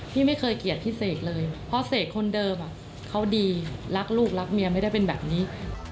พี่ไม่เคยเกลียดพี่เสกเลยเพราะเสกคนเดิมเขาดีรักลูกรักเมียไม่ได้เป็นแบบนี้